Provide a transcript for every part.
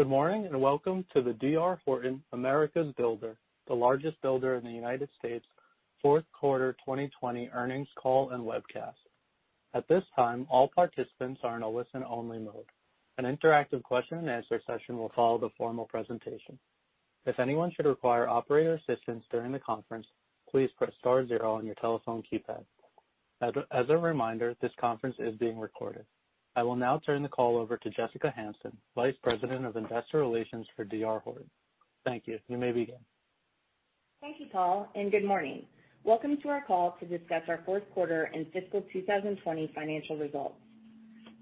Good morning, and welcome to the D.R. Horton, America's Builder, The Largest Builder in the United States, Fourth Quarter 2020 Earnings Call and Webcast. At this time, all participants are in a listen-only mode. An interactive question and answer session will follow the formal presentation. If anyone should require operator assistance during the conference, please press star zero on your telephone keypad. As a reminder, this conference is being recorded. I will now turn the call over to Jessica Hansen, Vice President of Investor Relations for D.R. Horton. Thank you. You may begin. Thank you, Paul. Good morning. Welcome to our call to discuss our fourth quarter and fiscal 2020 financial results.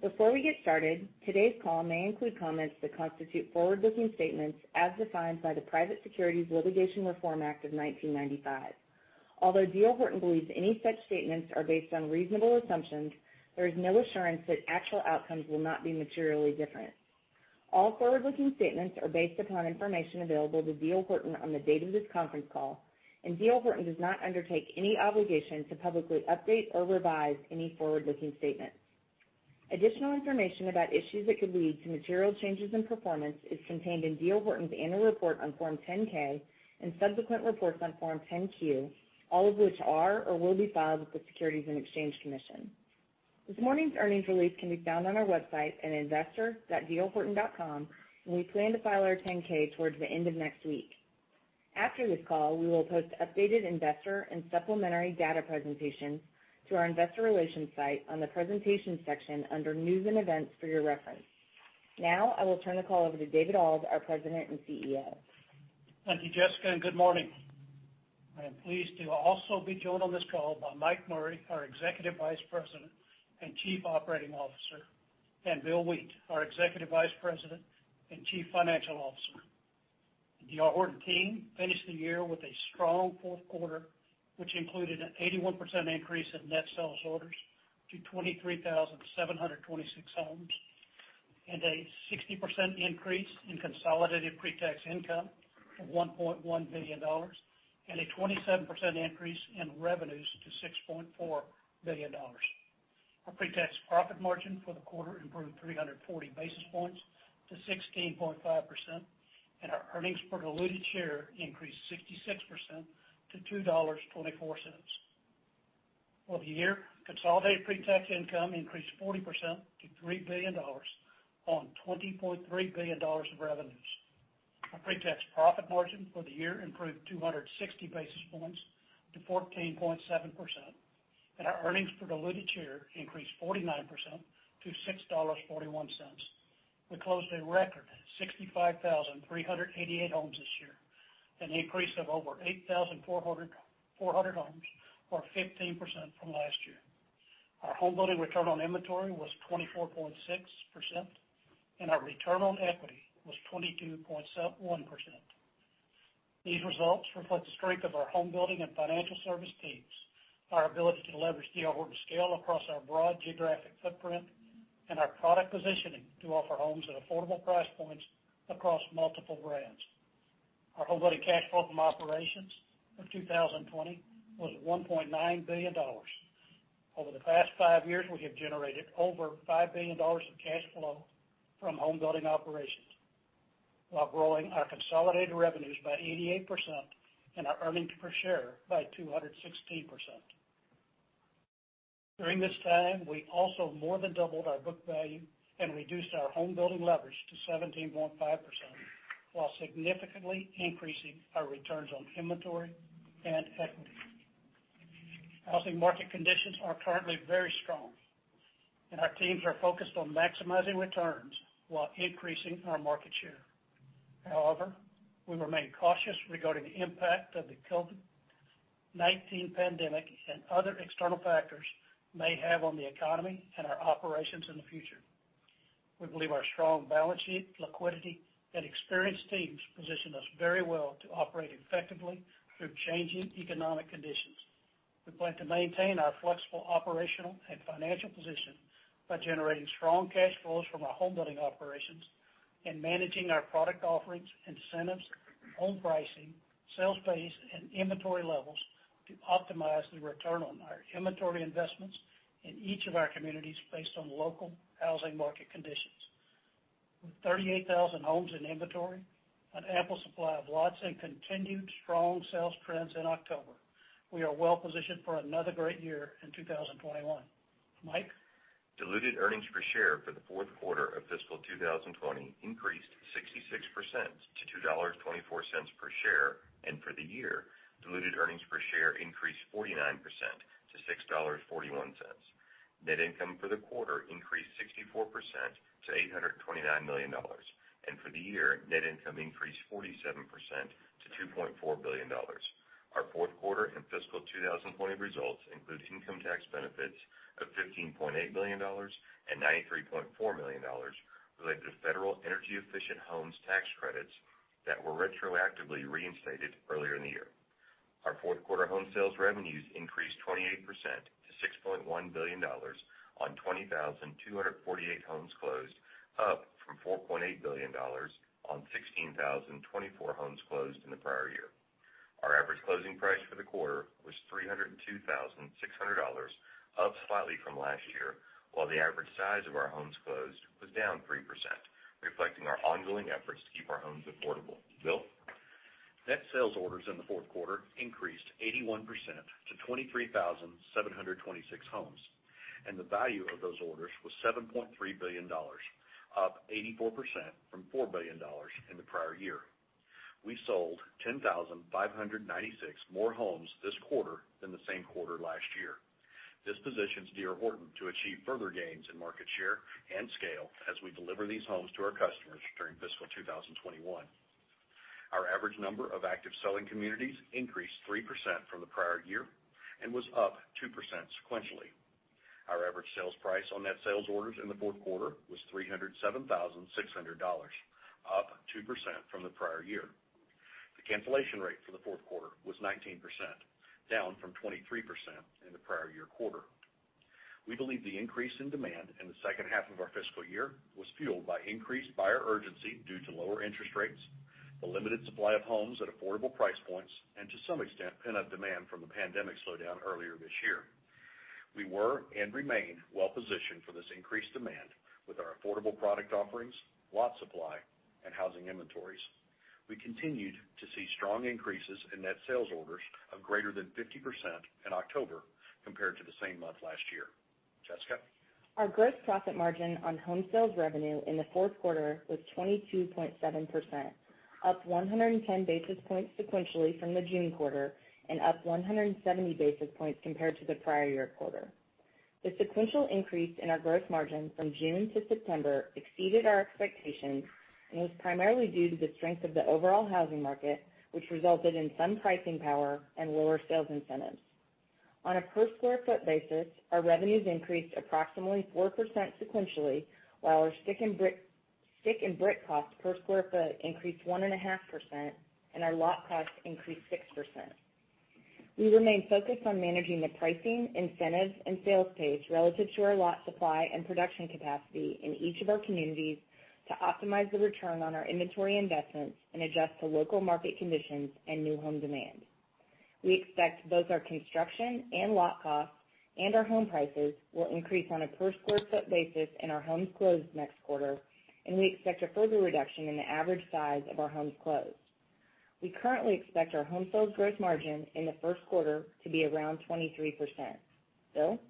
Before we get started, today's call may include comments that constitute forward-looking statements as defined by the Private Securities Litigation Reform Act of 1995. Although D.R. Horton believes any such statements are based on reasonable assumptions, there is no assurance that actual outcomes will not be materially different. All forward-looking statements are based upon information available to D.R. Horton on the date of this conference call. D.R. Horton does not undertake any obligation to publicly update or revise any forward-looking statements. Additional information about issues that could lead to material changes in performance is contained in D.R. Horton's annual report on Form 10-K and subsequent reports on Form 10-Q, all of which are or will be filed with the Securities and Exchange Commission. This morning's earnings release can be found on our website at investor.drhorton.com, and we plan to file our 10-K towards the end of next week. After this call, we will post updated investor and supplementary data presentations to our investor relations site on the presentations section under news and events for your reference. Now, I will turn the call over to David Auld, our President and CEO. Thank you, Jessica, and good morning. I am pleased to also be joined on this call by Mike Murray, our Executive Vice President and Chief Operating Officer, and Bill Wheat, our Executive Vice President and Chief Financial Officer. The D.R. Horton team finished the year with a strong fourth quarter, which included an 81% increase in net sales orders to 23,726 homes, and a 60% increase in consolidated pre-tax income of $1.1 billion, and a 27% increase in revenues to $6.4 billion. Our pre-tax profit margin for the quarter improved 340 basis points to 16.5%, and our earnings per diluted share increased 66% to $2.24. For the year, consolidated pre-tax income increased 40% to $3 billion on $20.3 billion of revenues. Our pre-tax profit margin for the year improved 260 basis points to 14.7%, and our earnings per diluted share increased 49% to $6.41. We closed a record 65,388 homes this year, an increase of over 8,400 homes or 15% from last year. Our homebuilding return on inventory was 24.6%, and our return on equity was 22.1%. These results reflect the strength of our homebuilding and financial services teams, our ability to leverage D.R. Horton's scale across our broad geographic footprint, and our product positioning to offer homes at affordable price points across multiple brands. Our homebuilding cash flow from operations for 2020 was $1.9 billion. Over the past five years, we have generated over $5 billion of cash flow from homebuilding operations while growing our consolidated revenues by 88% and our earnings per share by 216%. During this time, we also more than doubled our book value and reduced our homebuilding leverage to 17.5% while significantly increasing our returns on inventory and equity. Housing market conditions are currently very strong, and our teams are focused on maximizing returns while increasing our market share. However, we remain cautious regarding the impact of the COVID-19 pandemic and other external factors may have on the economy and our operations in the future. We believe our strong balance sheet, liquidity, and experienced teams position us very well to operate effectively through changing economic conditions. We plan to maintain our flexible operational and financial position by generating strong cash flows from our homebuilding operations and managing our product offerings, incentives, home pricing, sales pace, and inventory levels to optimize the return on our inventory investments in each of our communities based on local housing market conditions. With 38,000 homes in inventory, an ample supply of lots, and continued strong sales trends in October, we are well positioned for another great year in 2021. Mike? Diluted earnings per share for the fourth quarter of fiscal 2020 increased 66% to $2.24 per share, and for the year, diluted earnings per share increased 49% to $6.41. Net income for the quarter increased 64% to $829 million, and for the year, net income increased 47% to $2.4 billion. Our fourth quarter and fiscal 2020 results include income tax benefits of $15.8 million and $93.4 million related to federal energy-efficient homes tax credits that were retroactively reinstated earlier in the year. Our fourth quarter home sales revenues increased 28% to $6.1 billion on 20,248 homes closed, up from $4.8 billion on 16,024 homes closed in the prior year. Our average closing price for the quarter was $302,600, up slightly from last year, while the average size of our homes closed was down 3%, reflecting our ongoing efforts to keep our homes affordable. Bill? Net sales orders in the fourth quarter increased 81% to 23,726 homes, and the value of those orders was $7.3 billion, up 84% from $4 billion in the prior year. We sold 10,596 more homes this quarter than the same quarter last year. This positions D.R. Horton to achieve further gains in market share and scale as we deliver these homes to our customers during fiscal 2021. Our average number of active selling communities increased 3% from the prior year and was up 2% sequentially. Our average sales price on net sales orders in the fourth quarter was $307,600, up 2% from the prior year. The cancellation rate for the fourth quarter was 19%, down from 23% in the prior year quarter. We believe the increase in demand in the second half of our fiscal year was fueled by increased buyer urgency due to lower interest rates, the limited supply of homes at affordable price points, and to some extent, pent-up demand from the pandemic slowdown earlier this year. We were and remain well-positioned for this increased demand with our affordable product offerings, lot supply, and housing inventories. We continued to see strong increases in net sales orders of greater than 50% in October compared to the same month last year. Jessica? Our gross profit margin on home sales revenue in the fourth quarter was 22.7%, up 110 basis points sequentially from the June quarter and up 170 basis points compared to the prior year quarter. The sequential increase in our gross margin from June to September exceeded our expectations and was primarily due to the strength of the overall housing market, which resulted in some pricing power and lower sales incentives. On a per square foot basis, our revenues increased approximately 4% sequentially, while our stick and brick cost per square foot increased 1.5% and our lot cost increased 6%. We remain focused on managing the pricing, incentives, and sales pace relative to our lot supply and production capacity in each of our communities to optimize the return on our inventory investments and adjust to local market conditions and new home demand. We expect both our construction and lot costs and our home prices will increase on a per square foot basis in our homes closed next quarter, and we expect a further reduction in the average size of our homes closed. We currently expect our home sales gross margin in the first quarter to be around 23%. Bill?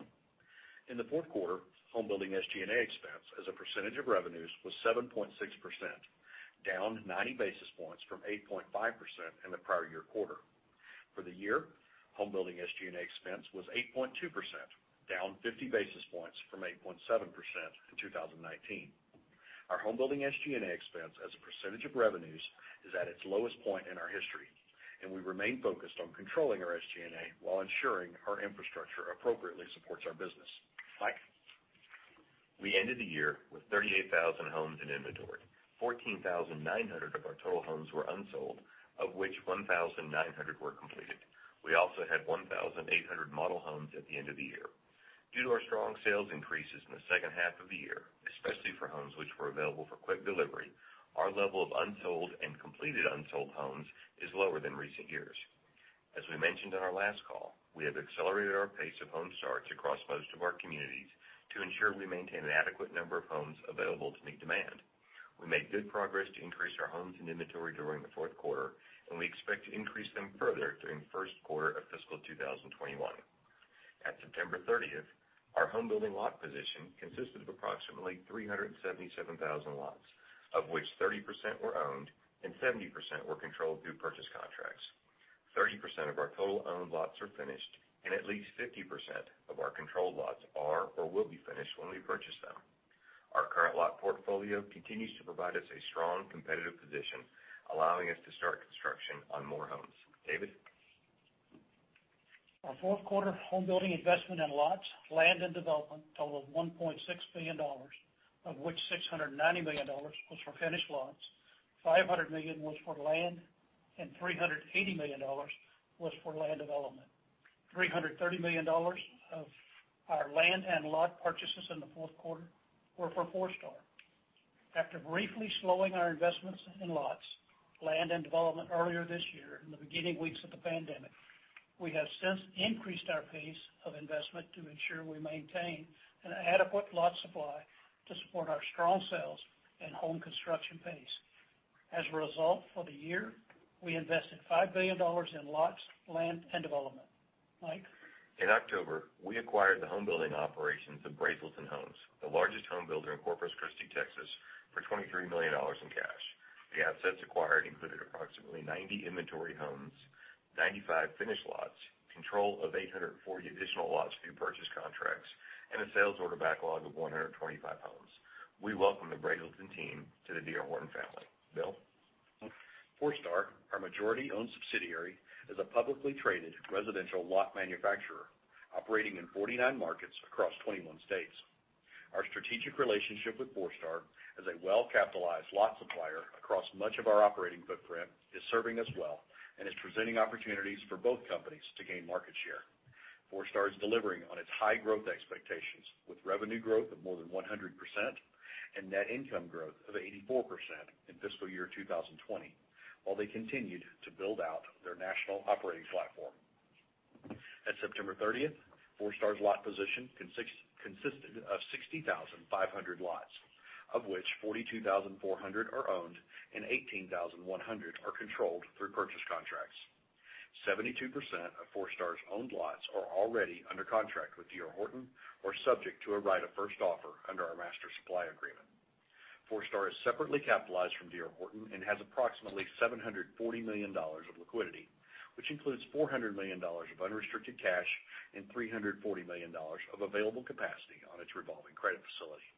In the fourth quarter, homebuilding SG&A expense as a percentage of revenues was 7.6%, down 90 basis points from 8.5% in the prior year quarter. For the year, homebuilding SG&A expense was 8.2%, down 50 basis points from 8.7% in 2019. Our homebuilding SG&A expense as a percentage of revenues is at its lowest point in our history. We remain focused on controlling our SG&A while ensuring our infrastructure appropriately supports our business. Mike? We ended the year with 38,000 homes in inventory. 14,900 of our total homes were unsold, of which 1,900 were completed. We also had 1,800 model homes at the end of the year. Due to our strong sales increases in the second half of the year, especially for homes which were available for quick delivery, our level of unsold and completed unsold homes is lower than recent years. As we mentioned on our last call, we have accelerated our pace of home starts across most of our communities to ensure we maintain an adequate number of homes available to meet demand. We made good progress to increase our homes and inventory during the fourth quarter, and we expect to increase them further during the first quarter of fiscal 2021. At September 30th, our homebuilding lot position consisted of approximately 377,000 lots, of which 30% were owned and 70% were controlled through purchase contracts. 30% of our total owned lots are finished, and at least 50% of our controlled lots are or will be finished when we purchase them. Our current lot portfolio continues to provide us a strong competitive position, allowing us to start construction on more homes. David? Our fourth quarter homebuilding investment in lots, land, and development totaled $1.6 billion, of which $690 million was for finished lots, $500 million was for land, and $380 million was for land development. $330 million of our land and lot purchases in the fourth quarter were for Forestar. After briefly slowing our investments in lots, land, and development earlier this year in the beginning weeks of the pandemic, we have since increased our pace of investment to ensure we maintain an adequate lot supply to support our strong sales and home construction pace. As a result, for the year, we invested $5 billion in lots, land, and development. Mike? In October, we acquired the homebuilding operations of Braselton Homes, the largest home builder in Corpus Christi, Texas, for $23 million in cash. The assets acquired included approximately 90 inventory homes, 95 finished lots, control of 840 additional lots through purchase contracts, and a sales order backlog of 125 homes. We welcome the Braselton team to the D.R. Horton family. Bill? Forestar, our majority-owned subsidiary, is a publicly traded residential lot manufacturer operating in 49 markets across 21 states. Our strategic relationship with Forestar as a well-capitalized lot supplier across much of our operating footprint is serving us well and is presenting opportunities for both companies to gain market share. Forestar is delivering on its high growth expectations with revenue growth of more than 100% and net income growth of 84% in fiscal year 2020, while they continued to build out their national operating platform. At September 30th, Forestar's lot position consisted of 60,500 lots, of which 42,400 are owned and 18,100 are controlled through purchase contracts. 72% of Forestar's owned lots are already under contract with D.R. Horton or subject to a right of first offer under our master supply agreement. Forestar is separately capitalized from D.R. Horton. Horton and has approximately $740 million of liquidity, which includes $400 million of unrestricted cash and $340 million of available capacity on its revolving credit facility.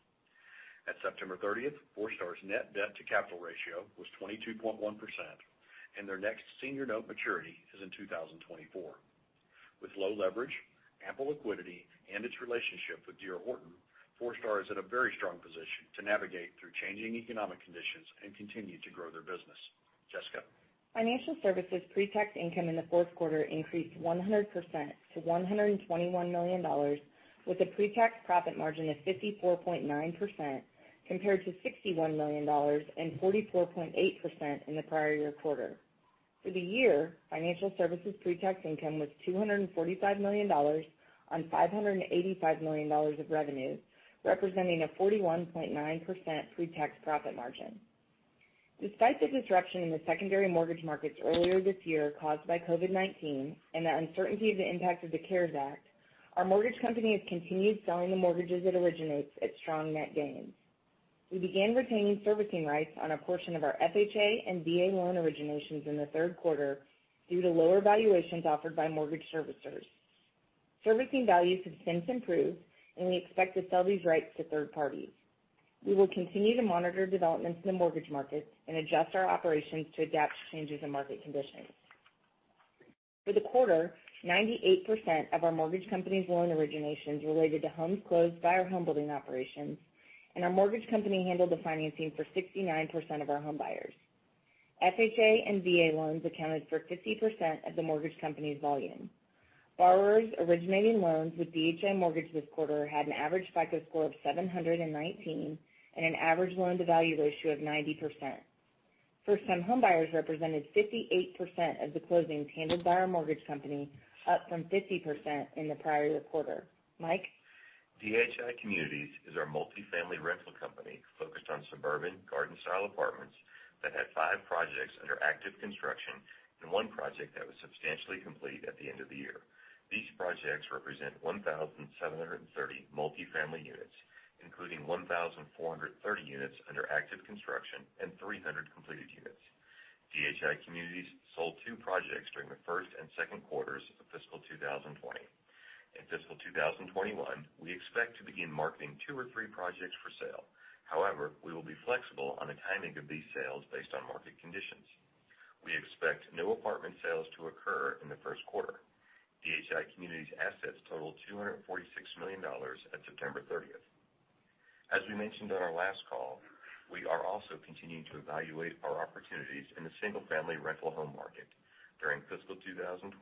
At September 30th, Forestar's net debt to capital ratio was 22.1%. Their next senior note maturity is in 2024. With low leverage, ample liquidity, and its relationship with D.R. Horton, Forestar is at a very strong position to navigate through changing economic conditions and continue to grow their business. Jessica? Financial services pre-tax income in the fourth quarter increased 100% to $121 million, with a pre-tax profit margin of 54.9%, compared to $61 million and 44.8% in the prior year quarter. For the year, financial services pre-tax income was $245 million on $585 million of revenues, representing a 41.9% pre-tax profit margin. Despite the disruption in the secondary mortgage markets earlier this year caused by COVID-19 and the uncertainty of the impact of the CARES Act, our mortgage company has continued selling the mortgages it originates at strong net gains. We began retaining servicing rights on a portion of our FHA and VA loan originations in the third quarter due to lower valuations offered by mortgage servicers. Servicing values have since improved, and we expect to sell these rights to third parties. We will continue to monitor developments in the mortgage markets and adjust our operations to adapt to changes in market conditions. For the quarter, 98% of our mortgage company's loan originations related to homes closed by our home building operations, and our mortgage company handled the financing for 69% of our home buyers. FHA and VA loans accounted for 50% of the mortgage company's volume. Borrowers originating loans with DHI Mortgage this quarter had an average FICO score of 719 and an average loan-to-value ratio of 90%. First-time homebuyers represented 58% of the closings handled by our mortgage company, up from 50% in the prior quarter. Mike? DHI Communities is our multifamily rental company focused on suburban garden-style apartments that had five projects under active construction and one project that was substantially complete at the end of the year. These projects represent 1,730 multifamily units, including 1,430 units under active construction and 300 completed units. DHI Communities sold two projects during the first and second quarters of fiscal 2020. In fiscal 2021, we expect to begin marketing two or three projects for sale. However, we will be flexible on the timing of these sales based on market conditions. We expect no apartment sales to occur in the first quarter. DHI Communities assets totaled $246 million at September 30th. As we mentioned on our last call, we are also continuing to evaluate our opportunities in the single-family rental home market. During fiscal 2020,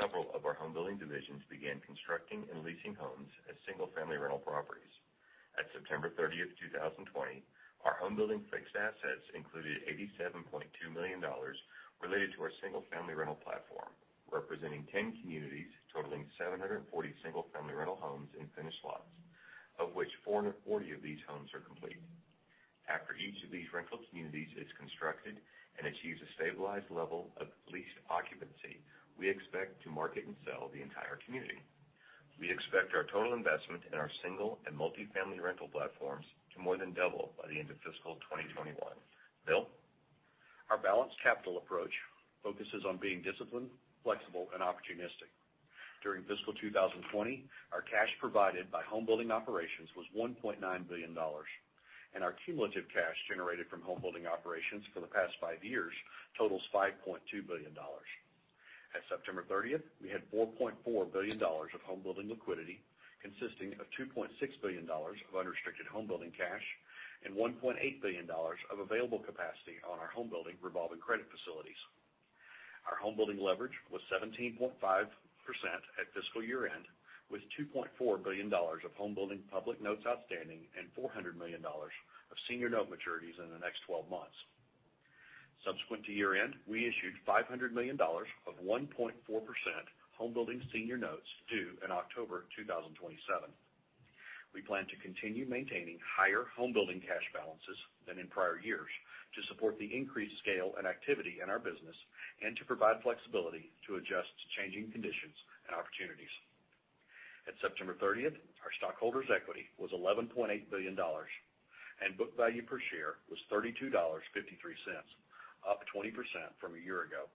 several of our home building divisions began constructing and leasing homes as single-family rental properties. At September 30th, 2020, our home building fixed assets included $87.2 million related to our single-family rental platform, representing 10 communities totaling 740 single-family rental homes and finished lots, of which 440 of these homes are complete. After each of these rental communities is constructed and achieves a stabilized level of leased occupancy, we expect to market and sell the entire community. We expect our total investment in our single and multifamily rental platforms to more than double by the end of fiscal 2021. Bill? Our balanced capital approach focuses on being disciplined, flexible, and opportunistic. During fiscal 2020, our cash provided by home building operations was $1.9 billion, and our cumulative cash generated from home building operations for the past five years totals $5.2 billion. At September 30th, we had $4.4 billion of home building liquidity, consisting of $2.6 billion of unrestricted home building cash and $1.8 billion of available capacity on our home building revolving credit facilities. Our home building leverage was 17.5% at fiscal year-end, with $2.4 billion of home building public notes outstanding and $400 million of senior note maturities in the next 12 months. Subsequent to year-end, we issued $500 million of 1.4% home building senior notes due in October 2027. We plan to continue maintaining higher home building cash balances than in prior years to support the increased scale and activity in our business and to provide flexibility to adjust to changing conditions and opportunities. At September 30th, our stockholders' equity was $11.8 billion and book value per share was $32.53, up 20% from a year ago.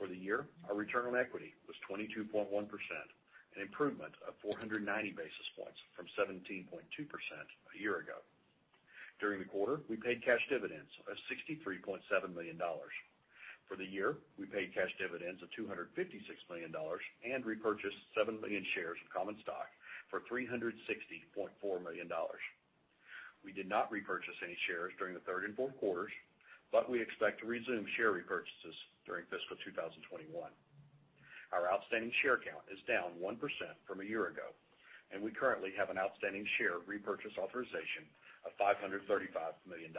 For the year, our return on equity was 22.1%, an improvement of 490 basis points from 17.2% a year ago. During the quarter, we paid cash dividends of $63.7 million. For the year, we paid cash dividends of $256 million and repurchased seven million shares of common stock for $360.4 million. We did not repurchase any shares during the third and fourth quarters, but we expect to resume share repurchases during fiscal 2021. Our outstanding share count is down 1% from a year ago, and we currently have an outstanding share repurchase authorization of $535 million.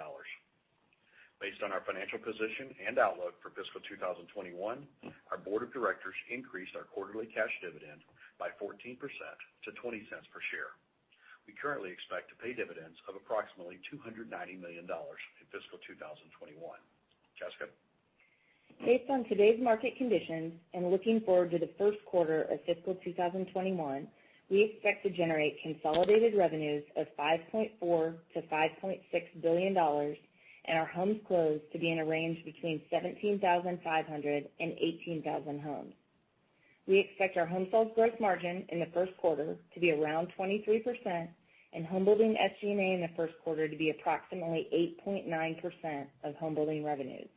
Based on our financial position and outlook for fiscal 2021, our board of directors increased our quarterly cash dividend by 14% to $0.20 per share. We currently expect to pay dividends of approximately $290 million in fiscal 2021. Jessica? Based on today's market conditions and looking forward to the first quarter of fiscal 2021, we expect to generate consolidated revenues of $5.4 billion-$5.6 billion and our homes closed to be in a range between 17,500 and 18,000 homes. We expect our home sales gross margin in the first quarter to be around 23% and homebuilding SG&A in the first quarter to be approximately 8.9% of homebuilding revenues.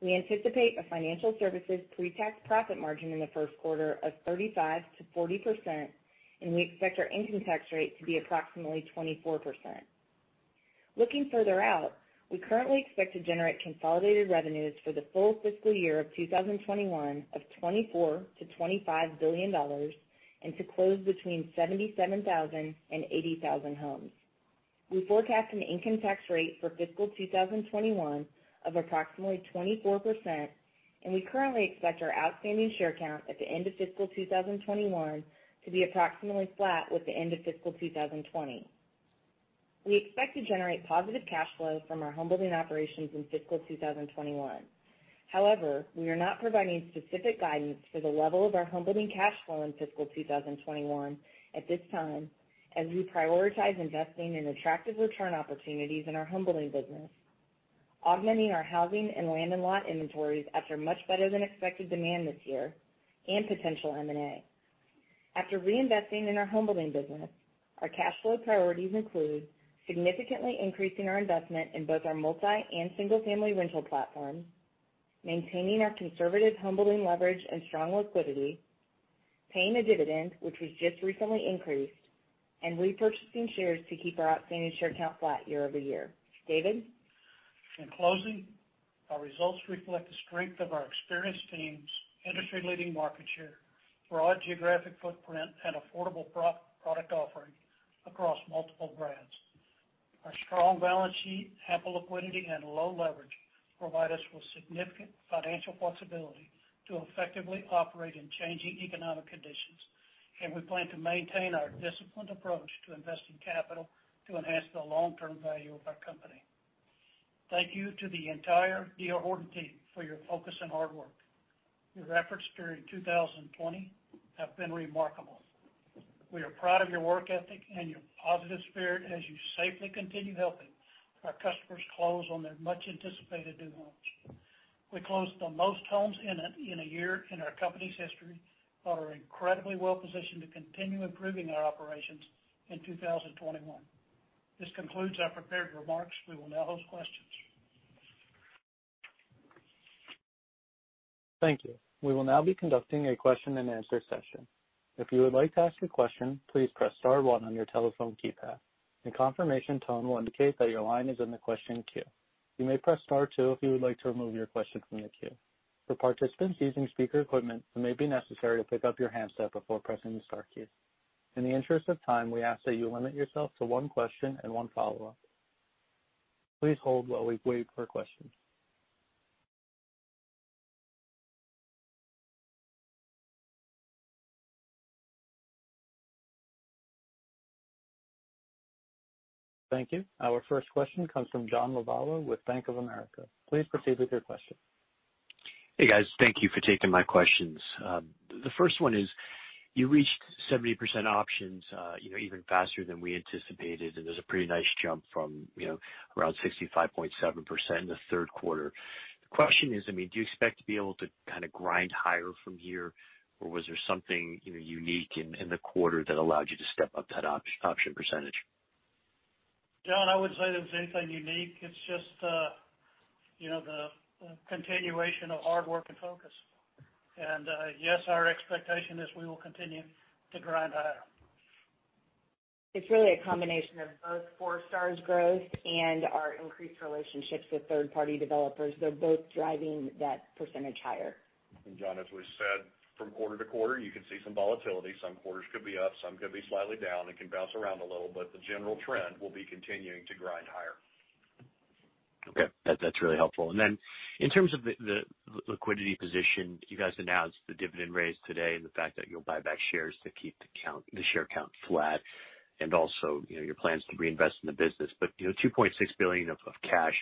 We anticipate a financial services pre-tax profit margin in the first quarter of 35%-40%, and we expect our income tax rate to be approximately 24%. Looking further out, we currently expect to generate consolidated revenues for the full fiscal year of 2021 of $24 billion-$25 billion and to close between 77,000 and 80,000 homes. We forecast an income tax rate for fiscal 2021 of approximately 24%, and we currently expect our outstanding share count at the end of fiscal 2021 to be approximately flat with the end of fiscal 2020. We expect to generate positive cash flow from our homebuilding operations in fiscal 2021. However, we are not providing specific guidance for the level of our homebuilding cash flow in fiscal 2021 at this time, as we prioritize investing in attractive return opportunities in our homebuilding business, augmenting our housing and land and lot inventories after much better than expected demand this year, and potential M&A. After reinvesting in our homebuilding business, our cash flow priorities include significantly increasing our investment in both our multi and single-family rental platforms, maintaining our conservative homebuilding leverage and strong liquidity, paying a dividend, which we just recently increased, and repurchasing shares to keep our outstanding share count flat year-over-year. David? In closing, our results reflect the strength of our experienced teams, industry-leading market share, broad geographic footprint, and affordable product offering across multiple brands. Our strong balance sheet, ample liquidity, and low leverage provide us with significant financial flexibility to effectively operate in changing economic conditions. We plan to maintain our disciplined approach to investing capital to enhance the long-term value of our company. Thank you to the entire D.R. Horton team for your focus and hard work. Your efforts during 2020 have been remarkable. We are proud of your work ethic and your positive spirit as you safely continue helping our customers close on their much-anticipated new homes. We closed the most homes in a year in our company's history. We are incredibly well-positioned to continue improving our operations in 2021. This concludes our prepared remarks. We will now host questions. Thank you. We will now be conducting a question-and-answer session. If you would like to ask a question, please press star one on your telephone keypad. A confirmation tone will indicate that your line is in the question queue. You may press star two if you would like to remove your question from the queue. For participants using speaker equipment, it may be necessary to pick up your handset before pressing the star key. In the interest of time, we ask that you limit yourself to one question and one follow-up. Please hold while we wait for questions. Thank you. Our first question comes from John Lovallo with Bank of America. Please proceed with your question. Hey, guys. Thank you for taking my questions. The first one is, you reached 70% options even faster than we anticipated, and there's a pretty nice jump from around 65.7% in the third quarter. The question is, do you expect to be able to kind of grind higher from here, or was there something unique in the quarter that allowed you to step up that option percentage? John, I wouldn't say there was anything unique. It's just the continuation of hard work and focus. Yes, our expectation is we will continue to grind higher. It's really a combination of both Forestar's growth and our increased relationships with third-party developers. They're both driving that percentage higher. John, as we said, from quarter to quarter, you can see some volatility. Some quarters could be up, some could be slightly down. It can bounce around a little, but the general trend will be continuing to grind higher. Okay. That's really helpful. In terms of the liquidity position, you guys announced the dividend raise today and the fact that you'll buy back shares to keep the share count flat and also your plans to reinvest in the business. $2.6 billion of cash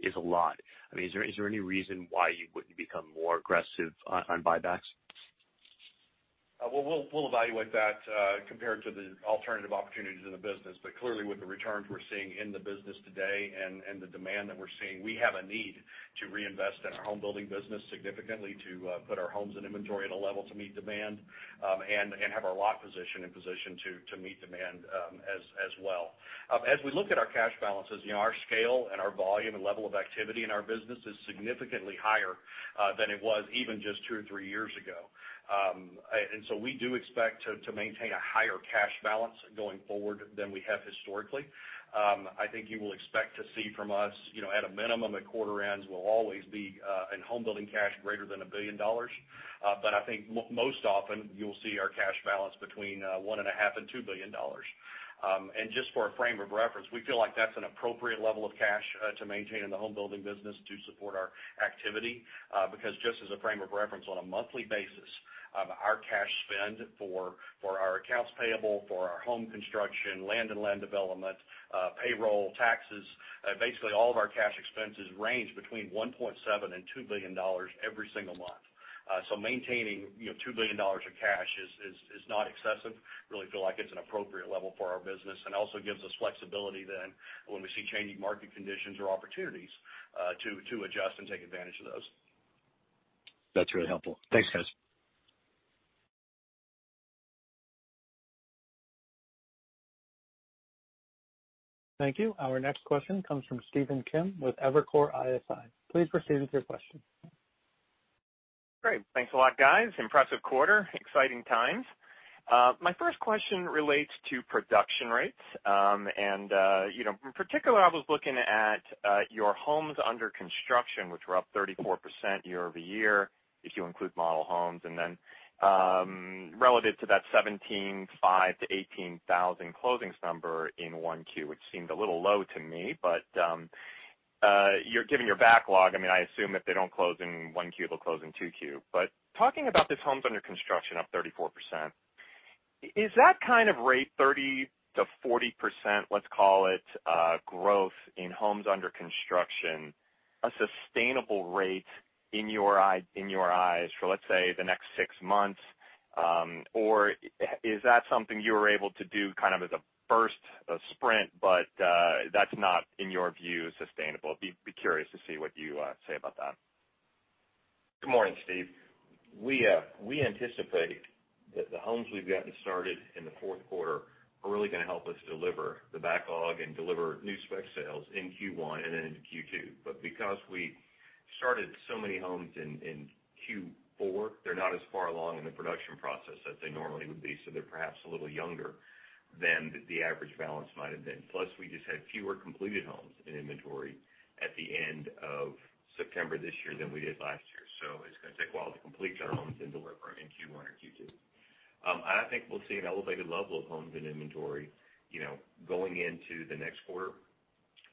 is a lot. Is there any reason why you wouldn't become more aggressive on buybacks? We'll evaluate that compared to the alternative opportunities in the business. Clearly, with the returns we're seeing in the business today and the demand that we're seeing, we have a need to reinvest in our homebuilding business significantly to put our homes and inventory at a level to meet demand and have our lot position in position to meet demand as well. As we look at our cash balances, our scale and our volume and level of activity in our business is significantly higher than it was even just two or three years ago. We do expect to maintain a higher cash balance going forward than we have historically. I think you will expect to see from us at a minimum at quarter ends we'll always be in homebuilding cash greater than $1 billion. I think most often you'll see our cash balance between $1.5 billion-$2 billion. Just for a frame of reference, we feel like that's an appropriate level of cash to maintain in the home building business to support our activity. Just as a frame of reference, on a monthly basis, our cash spend for our accounts payable, for our home construction, land and land development, payroll, taxes, basically all of our cash expenses range between $1.7 billion-$2 billion every single month. Maintaining $2 billion of cash is not excessive. We really feel like it's an appropriate level for our business and also gives us flexibility then when we see changing market conditions or opportunities, to adjust and take advantage of those. That's really helpful. Thanks, guys. Thank you. Our next question comes from Stephen Kim with Evercore ISI. Please proceed with your question. Great. Thanks a lot, guys. Impressive quarter, exciting times. My first question relates to production rates. In particular, I was looking at your homes under construction, which were up 34% year-over-year if you include model homes, and then relative to that 17,500 to 18,000 closings number in 1Q, which seemed a little low to me, but, given your backlog, I assume if they don't close in 1Q, they'll close in 2Q. Talking about this homes under construction up 34%, is that kind of rate, 30%-40%, let's call it, growth in homes under construction, a sustainable rate in your eyes for, let's say, the next six months? Is that something you were able to do kind of as a burst, a sprint, but that's not, in your view, sustainable? Be curious to see what you say about that. Good morning, Steve. We anticipate that the homes we've gotten started in the fourth quarter are really going to help us deliver the backlog and deliver new spec sales in Q1 and then into Q2. Because we started so many homes in Q4, they're not as far along in the production process as they normally would be, so they're perhaps a little younger than the average balance might have been. Plus, we just had fewer completed homes in inventory at the end of September this year than we did last year. It's going to take a while to complete their homes and deliver them in Q1 or Q2. I think we'll see an elevated level of homes in inventory going into the next quarter,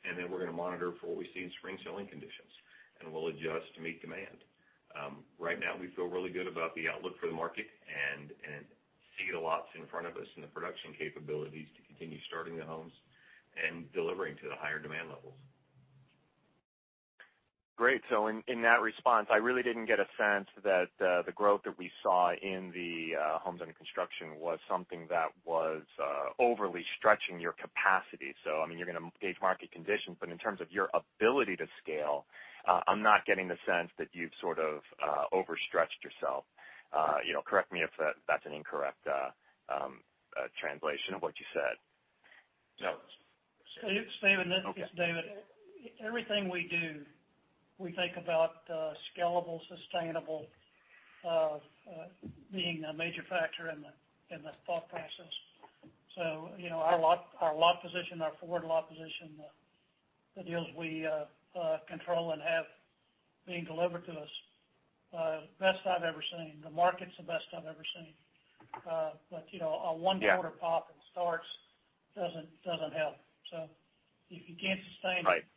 and then we're going to monitor for what we see in spring selling conditions, and we'll adjust to meet demand. Right now, we feel really good about the outlook for the market and see the lots in front of us and the production capabilities to continue starting the homes and delivering to the higher demand levels. Great. In that response, I really didn't get a sense that the growth that we saw in the homes under construction was something that was overly stretching your capacity. You're going to gauge market conditions, but in terms of your ability to scale, I'm not getting the sense that you've sort of overstretched yourself. Correct me if that's an incorrect translation of what you said. No. Steve, it's David. Yes. Everything we do, we think about scalable, sustainable being a major factor in the thought process. Our lot position, our forward lot position, the deals we control and have being delivered to us, best I've ever seen. The market's the best I've ever seen. A one quarter pop in starts doesn't help. If you can't sustain it. Right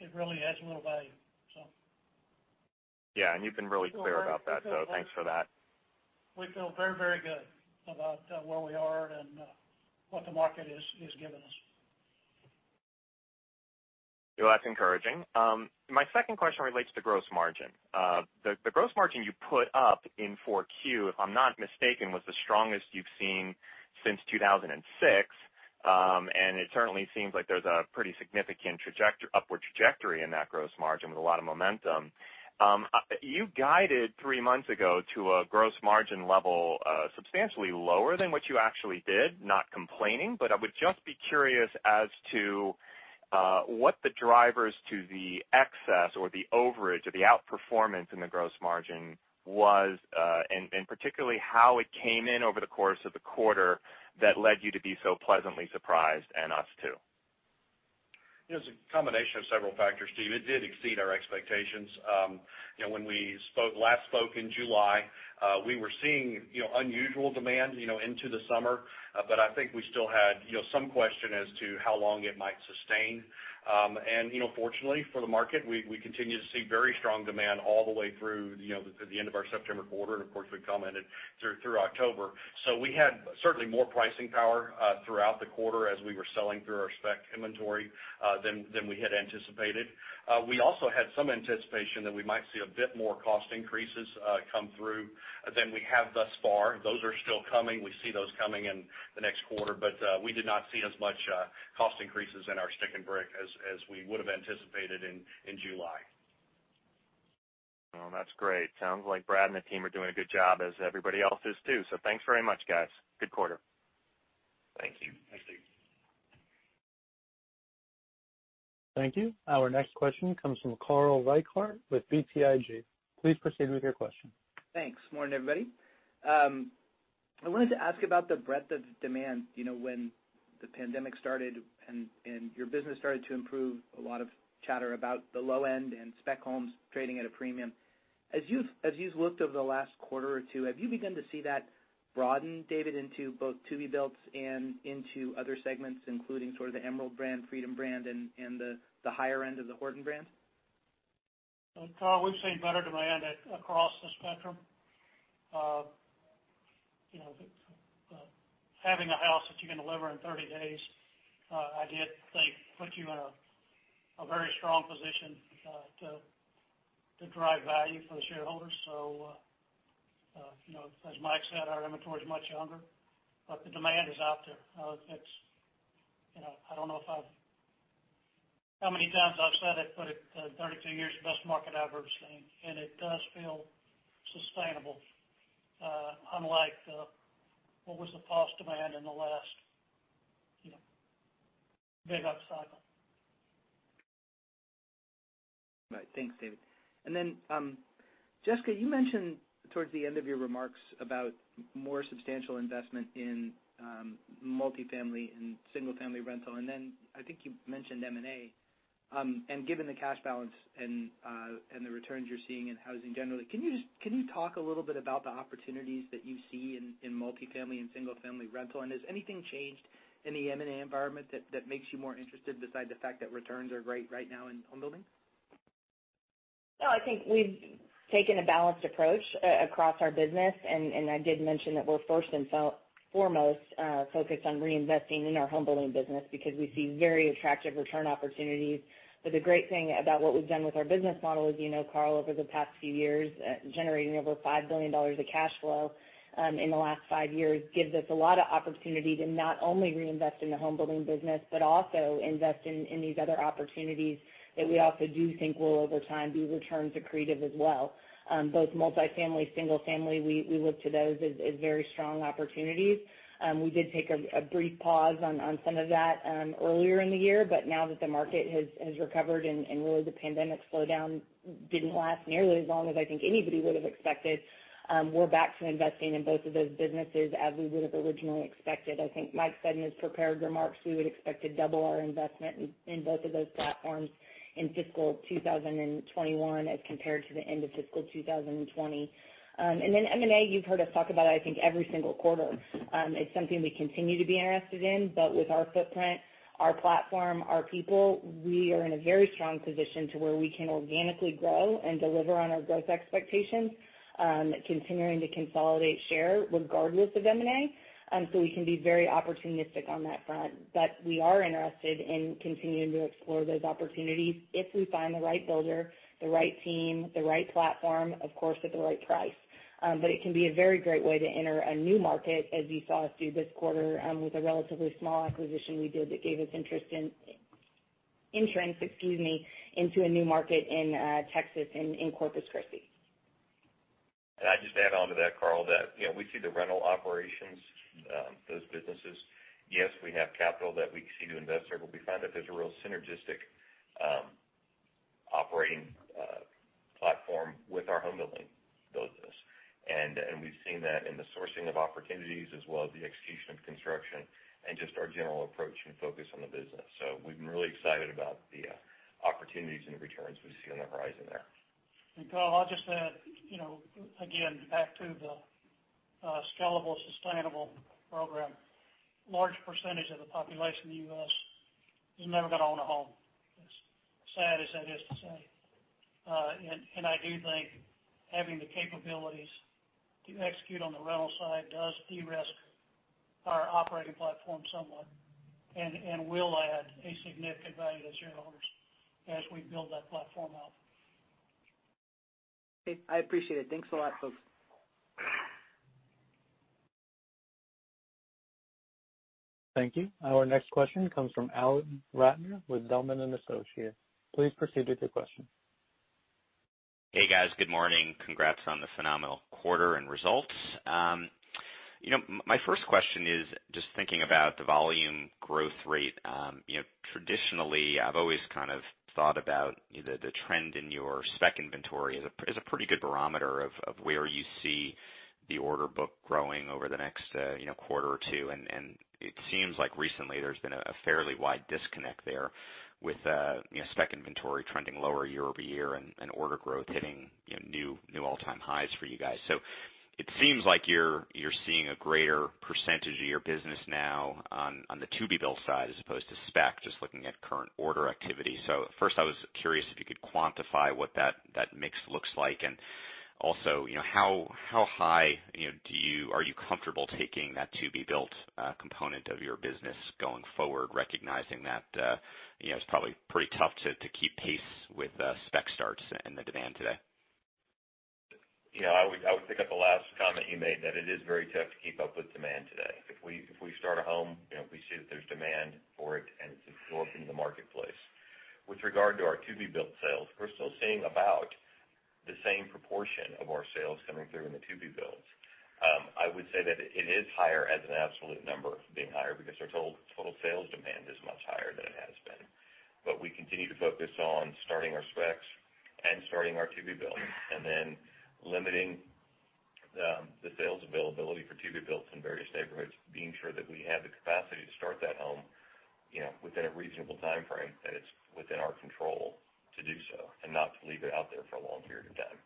it really adds little value. You've been really clear about that, so thanks for that. We feel very, very good about where we are and what the market has given us. That's encouraging. My second question relates to gross margin. The gross margin you put up in Q4, if I'm not mistaken, was the strongest you've seen since 2006, and it certainly seems like there's a pretty significant upward trajectory in that gross margin with a lot of momentum. You guided three months ago to a gross margin level substantially lower than what you actually did. Not complaining, but I would just be curious as to what the drivers to the excess or the overage or the outperformance in the gross margin was, and particularly how it came in over the course of the quarter that led you to be so pleasantly surprised, and us, too? It was a combination of several factors, Steve. It did exceed our expectations. When we last spoke in July, we were seeing unusual demand into the summer, but I think we still had some question as to how long it might sustain. Fortunately for the market, we continue to see very strong demand all the way through to the end of our September quarter, and of course, we commented through October. We had certainly more pricing power throughout the quarter as we were selling through our spec inventory than we had anticipated. We also had some anticipation that we might see a bit more cost increases come through than we have thus far. Those are still coming. We see those coming in the next quarter, but we did not see as much cost increases in our stick and brick as we would've anticipated in July. Well, that's great. Sounds like Brad and the team are doing a good job as everybody else is, too. Thanks very much, guys. Good quarter. Thank you. Thanks, Steve. Thank you. Our next question comes from Carl Reichardt with BTIG. Please proceed with your question. Thanks. Morning, everybody. I wanted to ask about the breadth of demand. When the pandemic started and your business started to improve, a lot of chatter about the low end and spec homes trading at a premium. As you've looked over the last quarter or two, have you begun to see that broaden, David, into both to-be-builts and into other segments, including sort of the Emerald brand, Freedom brand, and the higher end of the Horton brand? Well, Carl, we've seen better demand across the spectrum. Having a house that you can deliver in 30 days, I did think put you in a very strong position to drive value for the shareholders. As Mike said, our inventory is much younger. The demand is out there. I don't know how many times I've said it, but in 32 years, the best market I've ever seen, and it does feel sustainable, unlike what was the false demand in the last big upcycle. Right. Thanks, David. Jessica, you mentioned towards the end of your remarks about more substantial investment in multi-family and single-family rental, and then I think you mentioned M&A. Given the cash balance and the returns you're seeing in housing generally, can you talk a little bit about the opportunities that you see in multi-family and single-family rental? Has anything changed in the M&A environment that makes you more interested besides the fact that returns are great right now in home building? No, I think we've taken a balanced approach across our business, and I did mention that we're first and foremost focused on reinvesting in our home building business because we see very attractive return opportunities. The great thing about what we've done with our business model is, Carl, over the past few years, generating over $5 billion of cash flow in the last five years gives us a lot of opportunity to not only reinvest in the home building business, but also invest in these other opportunities that we also do think will, over time, be return accretive as well. Both multi-family, single family, we look to those as very strong opportunities. We did take a brief pause on some of that earlier in the year, but now that the market has recovered and really the pandemic slowdown didn't last nearly as long as I think anybody would have expected, we're back to investing in both of those businesses as we would have originally expected. I think Mike said in his prepared remarks, we would expect to double our investment in both of those platforms in fiscal 2021 as compared to the end of fiscal 2020. M&A, you've heard us talk about, I think, every single quarter. It's something we continue to be interested in. With our footprint, our platform, our people, we are in a very strong position to where we can organically grow and deliver on our growth expectations, continuing to consolidate share regardless of M&A. We can be very opportunistic on that front. We are interested in continuing to explore those opportunities if we find the right builder, the right team, the right platform, of course, at the right price. It can be a very great way to enter a new market, as you saw us do this quarter with a relatively small acquisition we did that gave us interest in entrants, excuse me, into a new market in Texas and in Corpus Christi. I'd just add onto that, Carl, that we see the rental operations, those businesses. Yes, we have capital that we can see to invest there, but we find that there's a real synergistic operating platform with our home building business. We've seen that in the sourcing of opportunities as well as the execution of construction and just our general approach and focus on the business. We've been really excited about the opportunities and the returns we see on the horizon there. Carl, I'll just add, again, back to the scalable, sustainable program. Large percentage of the population in the U.S. is never going to own a home, as sad as that is to say. I do think having the capabilities to execute on the rental side does de-risk our operating platform somewhat and will add a significant value to shareholders as we build that platform out. Okay, I appreciate it. Thanks a lot, folks. Thank you. Our next question comes from Alan Ratner with Zelman & Associates. Please proceed with your question. Hey, guys. Good morning. Congrats on the phenomenal quarter and results. My first question is just thinking about the volume growth rate. Traditionally, I've always kind of thought about the trend in your spec inventory as a pretty good barometer of where you see the order book growing over the next quarter or two, and it seems like recently there's been a fairly wide disconnect there with spec inventory trending lower year-over-year and order growth hitting new all-time highs for you guys. It seems like you're seeing a greater % of your business now on the to-be-built side as opposed to spec, just looking at current order activity. At first, I was curious if you could quantify what that mix looks like, and also how high are you comfortable taking that to-be-built component of your business going forward, recognizing that it's probably pretty tough to keep pace with spec starts and the demand today? I would pick up the last comment you made that it is very tough to keep up with demand today. If we start a home, we see that there's demand for it and it's absorbed in the marketplace. With regard to our to-be-built sales, we're still seeing about the same proportion of our sales coming through in the to-be-builts. I would say that it is higher as an absolute number being higher because our total sales demand is much higher than it has been. We continue to focus on starting our specs and our to-be-built, and then limiting the sales availability for to-be-built in various neighborhoods, being sure that we have the capacity to start that home within a reasonable time frame, that it's within our control to do so, and not to leave it out there for a long period of time.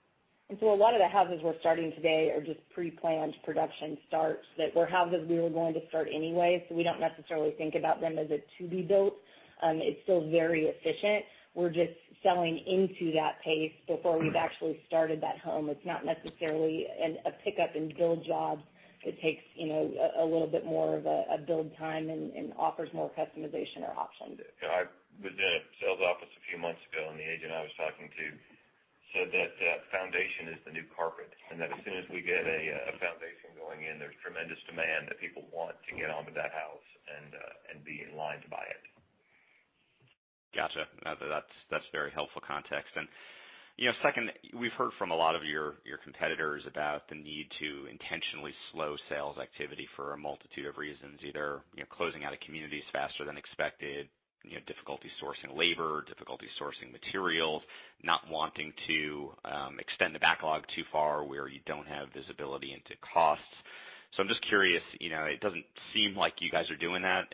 A lot of the houses we're starting today are just pre-planned production starts that were houses we were going to start anyway. We don't necessarily think about them as a to-be built. It's still very efficient. We're just selling into that pace before we've actually started that home. It's not necessarily a pick-up-and-build job that takes a little bit more of a build time and offers more customization or options. Yeah. I was in a sales office a few months ago, the agent I was talking to said that foundation is the new carpet, and that as soon as we get a foundation going in, there's tremendous demand that people want to get onto that house and be in line to buy it. Got you. That's very helpful context. Second, we've heard from a lot of your competitors about the need to intentionally slow sales activity for a multitude of reasons, either closing out of communities faster than expected, difficulty sourcing labor, difficulty sourcing materials, not wanting to extend the backlog too far where you don't have visibility into costs. I'm just curious, it doesn't seem like you guys are doing that,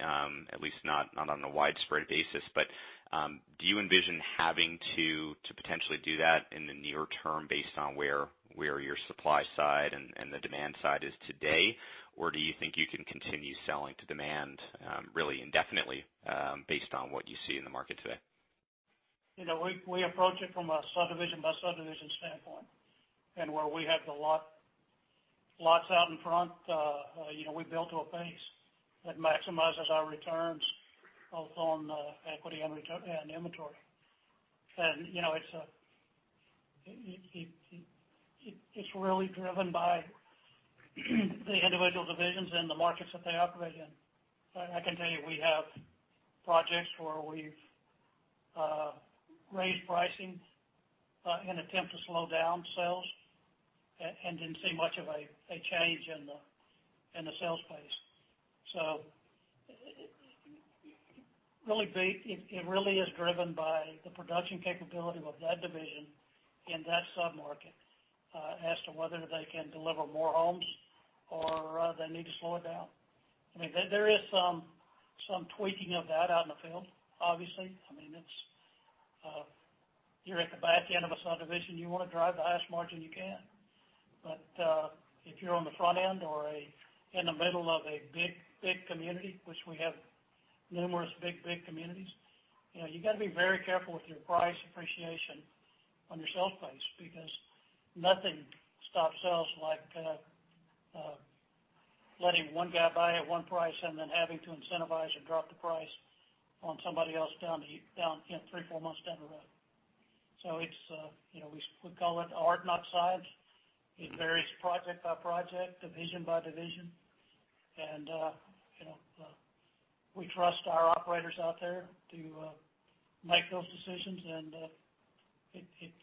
at least not on a widespread basis. Do you envision having to potentially do that in the near term based on where your supply side and the demand side is today? Do you think you can continue selling to demand really indefinitely, based on what you see in the market today? We approach it from a subdivision-by-subdivision standpoint. Where we have the lots out in front, we build to a pace that maximizes our returns both on equity and inventory. It's really driven by the individual divisions and the markets that they operate in. I can tell you, we have projects where we've raised pricing in attempt to slow down sales, and didn't see much of a change in the sales pace. It really is driven by the production capability of that division in that sub-market as to whether they can deliver more homes or they need to slow it down. There is some tweaking of that out in the field, obviously. If you're at the back end of a subdivision, you want to drive the highest margin you can. If you're on the front end or in the middle of a big community, which we have numerous big communities, you've got to be very careful with your price appreciation on your sales pace, because nothing stops sales like letting one guy buy at one price and then having to incentivize and drop the price on somebody else down three, four months down the road. We call it art, not science. It varies project by project, division by division. We trust our operators out there to make those decisions, and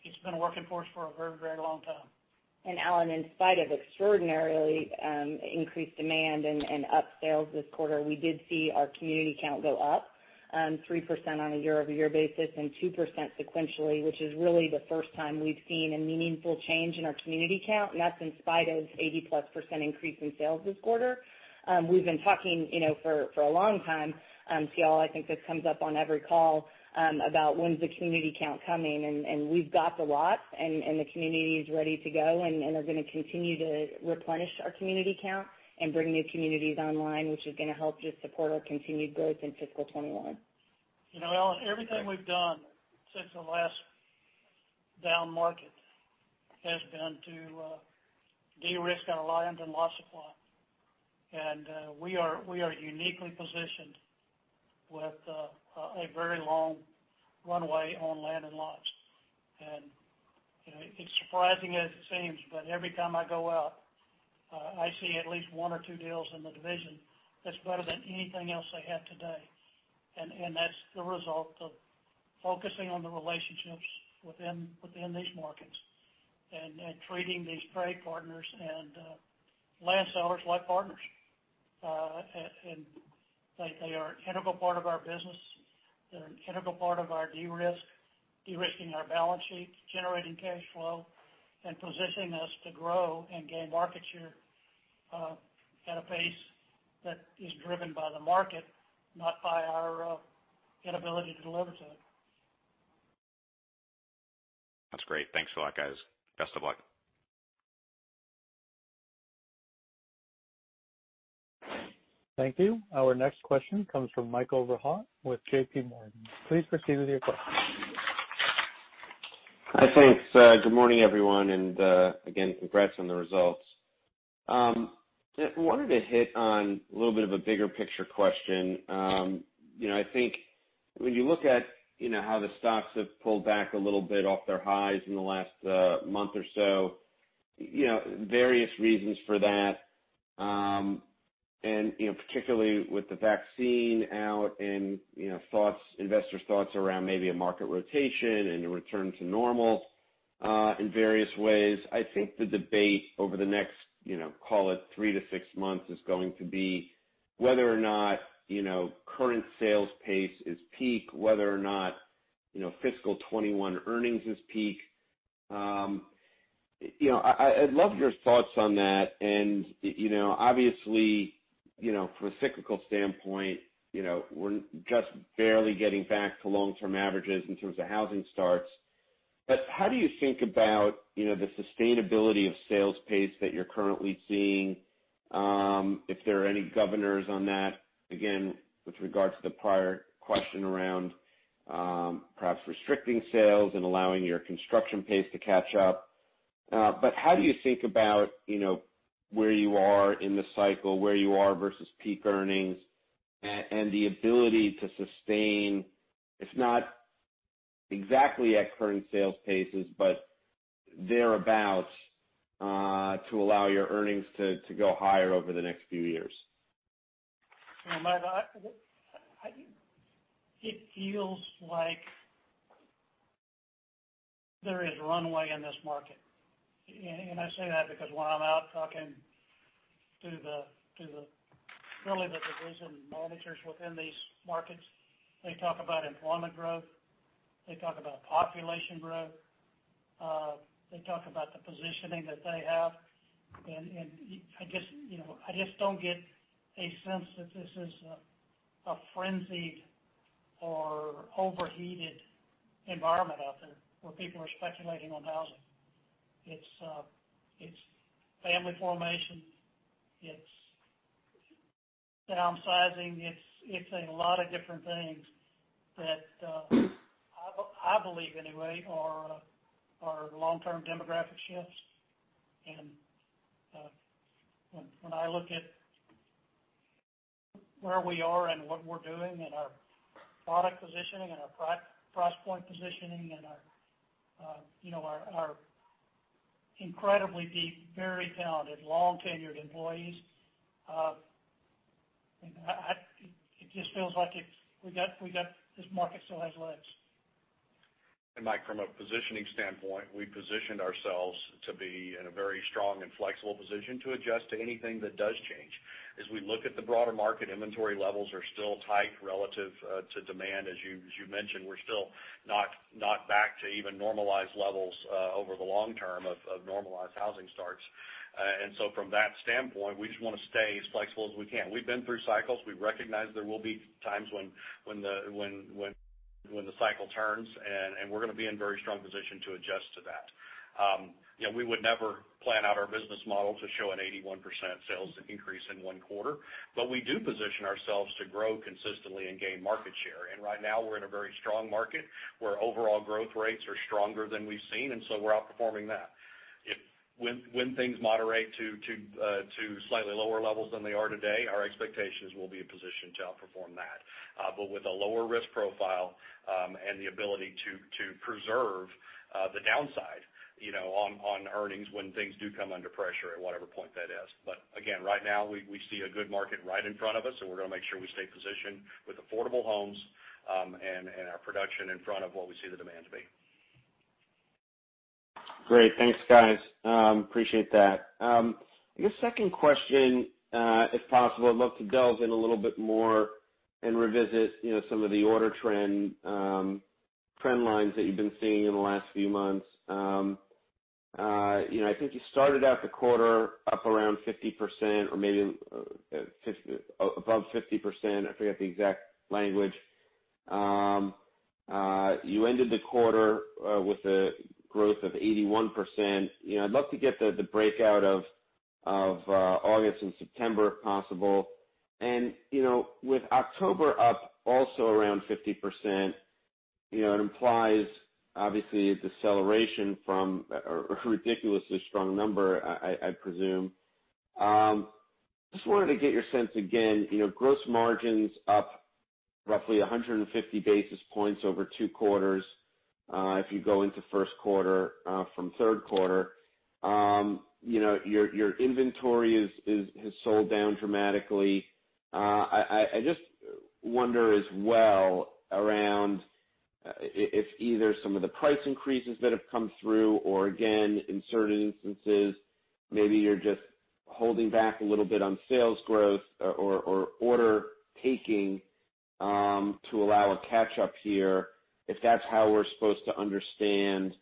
it's been a working force for a very long time. Alan, in spite of extraordinarily increased demand and up sales this quarter, we did see our community count go up 3% on a year-over-year basis and 2% sequentially, which is really the first time we've seen a meaningful change in our community count. That's in spite of 80-plus% increase in sales this quarter. We've been talking for a long time, C.L., I think this comes up on every call about when's the community count coming, and we've got the lots and the communities ready to go, and are going to continue to replenish our community count and bring new communities online, which is going to help just support our continued growth in fiscal 2021. Alan, everything we've done since the last down market has been to de-risk our land and lot supply. We are uniquely positioned with a very long runway on land and lots. It's surprising as it seems, but every time I go out, I see at least one or two deals in the division that's better than anything else I have today. That's the result of focusing on the relationships within these markets and treating these trade partners and land sellers like partners. They are an integral part of our business. They're an integral part of our de-risking our balance sheet, generating cash flow, and positioning us to grow and gain market share at a pace that is driven by the market, not by our inability to deliver to it. That's great. Thanks a lot, guys. Best of luck. Thank you. Our next question comes from Michael Rehaut with J.P. Morgan. Please proceed with your question. Hi, thanks. Good morning, everyone. Again, congrats on the results. I wanted to hit on a little bit of a bigger picture question. I think when you look at how the stocks have pulled back a little bit off their highs in the last month or so, various reasons for that, and particularly with the vaccine out and investor thoughts around maybe a market rotation and a return to normal in various ways. I think the debate over the next, call it three to six months, is going to be whether or not current sales pace is peak, whether or not fiscal 2021 earnings is peak. I'd love your thoughts on that. Obviously, from a cyclical standpoint, we're just barely getting back to long-term averages in terms of housing starts. How do you think about the sustainability of sales pace that you're currently seeing, if there are any governors on that, again, with regards to the prior question around perhaps restricting sales and allowing your construction pace to catch up. How do you think about where you are in the cycle, where you are versus peak earnings, and the ability to sustain, if not exactly at current sales paces, but thereabout, to allow your earnings to go higher over the next few years? Mike, it feels like there is runway in this market. I say that because when I'm out talking to the division managers within these markets, they talk about employment growth, they talk about population growth, they talk about the positioning that they have. I just don't get a sense that this is a frenzied or overheated environment out there where people are speculating on housing. It's family formation, it's downsizing, it's a lot of different things that I believe, anyway, are long-term demographic shifts. When I look at where we are and what we're doing and our product positioning and our price point positioning and our incredibly deep, very talented, long-tenured employees, it just feels like this market still has legs. Mike, from a positioning standpoint, we positioned ourselves to be in a very strong and flexible position to adjust to anything that does change. We look at the broader market, inventory levels are still tight relative to demand. As you mentioned, we're still not back to even normalized levels over the long term of normalized housing starts. From that standpoint, we just want to stay as flexible as we can. We've been through cycles. We recognize there will be times when the cycle turns, and we're going to be in very strong position to adjust to that. We would never plan out our business model to show an 81% sales increase in one quarter, but we do position ourselves to grow consistently and gain market share. Right now, we're in a very strong market where overall growth rates are stronger than we've seen, and so we're outperforming that. When things moderate to slightly lower levels than they are today, our expectations will be in position to outperform that. With a lower risk profile, and the ability to preserve the downside on earnings when things do come under pressure at whatever point that is. Again, right now, we see a good market right in front of us, so we're going to make sure we stay positioned with affordable homes, and our production in front of what we see the demand to be. Great. Thanks, guys. Appreciate that. I guess second question, if possible, I'd love to delve in a little bit more and revisit some of the order trend lines that you've been seeing in the last few months. I think you started out the quarter up around 50%, or maybe above 50%, I forget the exact language. You ended the quarter with a growth of 81%. I'd love to get the breakout of August and September, if possible. With October up also around 50%, it implies, obviously, a deceleration from a ridiculously strong number, I presume. Just wanted to get your sense again, gross margins up roughly 150 basis points over two quarters. If you go into first quarter, from third quarter, your inventory has sold down dramatically. I just wonder as well around if either some of the price increases that have come through or again, in certain instances, maybe you're just holding back a little bit on sales growth or order taking, to allow a catch-up here, if that's how we're supposed to understand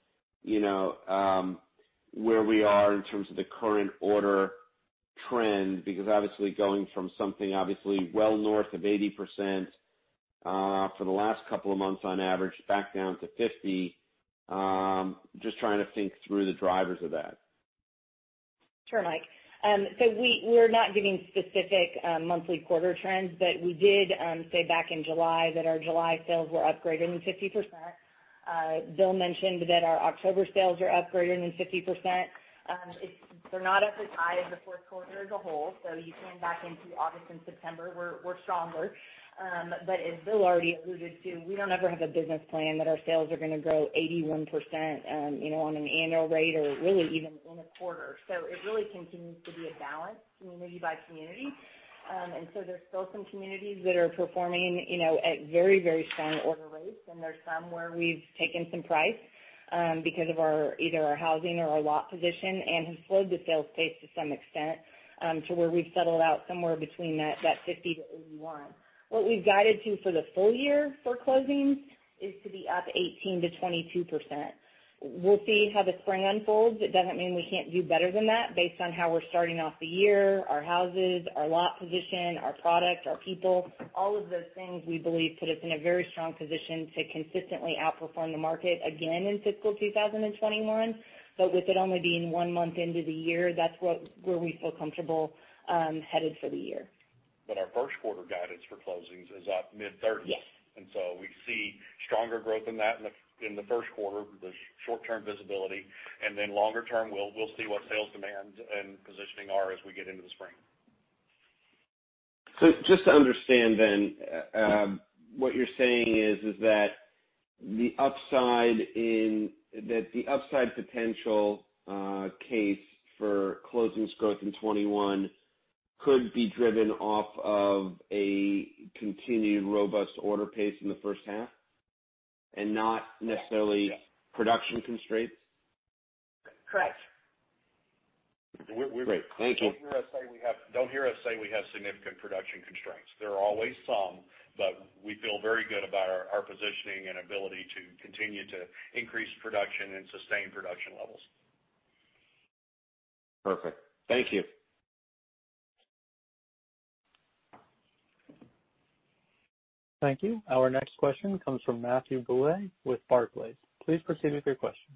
where we are in terms of the current order trend, because obviously going from something obviously well north of 80% for the last couple of months on average back down to 50%, just trying to think through the drivers of that. Sure, Mike. We're not giving specific monthly quarter trends, but we did say back in July that our July sales were up greater than 50%. Bill mentioned that our October sales are up greater than 50%. They're not as high as the fourth quarter as a whole, you pan back into August and September, we're stronger. As Bill already alluded to, we don't ever have a business plan that our sales are going to grow 81% on an annual rate or really even in a quarter. It really continues to be a balance community by community. There's still some communities that are performing at very strong order rates, and there's some where we've taken some price because of either our housing or our lot position and have slowed the sales pace to some extent to where we've settled out somewhere between that 50%-81%. What we've guided to for the full year for closings is to be up 18%-22%. We'll see how the spring unfolds. It doesn't mean we can't do better than that based on how we're starting off the year, our houses, our lot position, our product, our people. All of those things, we believe, put us in a very strong position to consistently outperform the market again in fiscal 2021. With it only being one month into the year, that's where we feel comfortable headed for the year. Our first quarter guidance for closings is up mid-30%. Yes. We see stronger growth than that in the first quarter with the short-term visibility, and then longer term, we'll see what sales demand and positioning are as we get into the spring. Just to understand, what you're saying is that the upside potential case for closings growth in 2021 could be driven off of a continued robust order pace in the first half and not necessarily production constraints? Correct. Great. Thank you. Don't hear us say we have significant production constraints. There are always some. We feel very good about our positioning and ability to continue to increase production and sustain production levels. Perfect. Thank you. Thank you. Our next question comes from Matthew Bouley with Barclays. Please proceed with your question.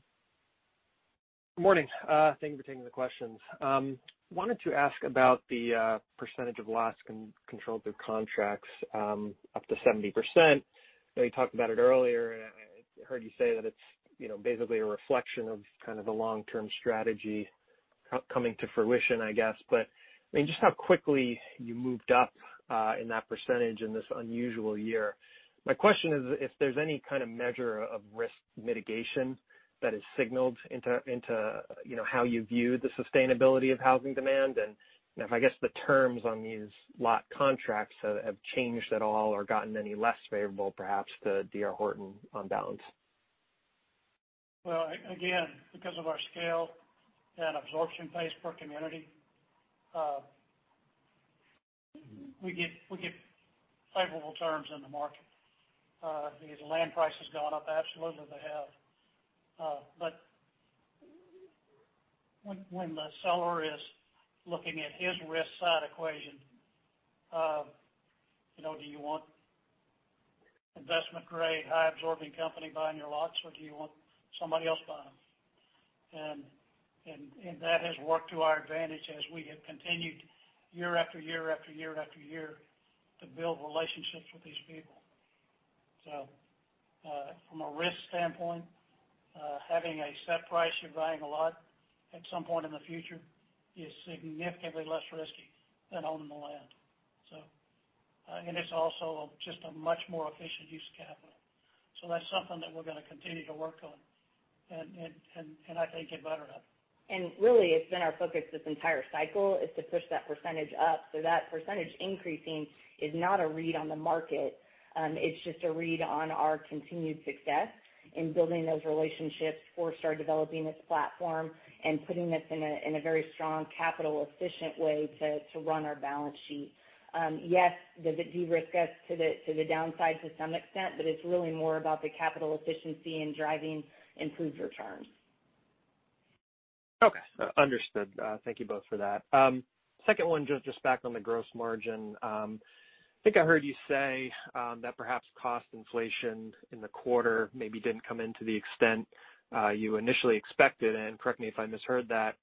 Good morning. Thank you for taking the questions. Wanted to ask about the percentage of lots controlled through contracts up to 70%. I know you talked about it earlier, and I heard you say that it's basically a reflection of kind of the long-term strategy coming to fruition, I guess. I mean, just how quickly you moved up in that percentage in this unusual year. My question is if there's any kind of measure of risk mitigation that has signaled into how you view the sustainability of housing demand, and if, I guess, the terms on these lot contracts have changed at all or gotten any less favorable, perhaps, to D.R. Horton on balance. Well, again, because of our scale and absorption pace per community, we get favorable terms in the market. Have these land prices gone up? Absolutely, they have. When the seller is looking at his risk side equation, do you want investment-grade, high-absorbing company buying your lots, or do you want somebody else buying them? That has worked to our advantage as we have continued year after year to build relationships with these people. From a risk standpoint, having a set price, you're buying a lot at some point in the future is significantly less risky than owning the land. It's also just a much more efficient use of capital. That's something that we're going to continue to work on and, I think, get better at. Really, it's been our focus this entire cycle is to push that percentage up. That percentage increasing is not a read on the market. It's just a read on our continued success in building those relationships, Forestar developing its platform, and putting us in a very strong capital-efficient way to run our balance sheet. Yes, does it de-risk us to the downside to some extent, but it's really more about the capital efficiency and driving improved returns. Okay. Understood. Thank you both for that. Second one, just back on the gross margin. I think I heard you say that perhaps cost inflation in the quarter maybe didn't come in to the extent you initially expected, and correct me if I misheard that.